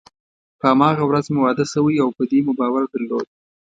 په هماغه ورځ مو واده شوی او په دې مو باور درلود.